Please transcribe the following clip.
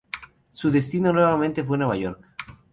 Su destino nuevamente fue Nueva York.